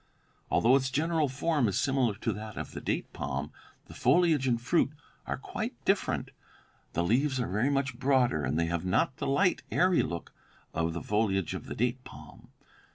Although its general form is similar to that of the date palm, the foliage and fruit are quite different. The leaves are very much broader, and they have not the light, airy look of the foliage of the date palm.